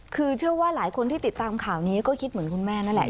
คือเชื่อว่าหลายคนที่ติดตามข่าวนี้ก็คิดเหมือนคุณแม่นั่นแหละ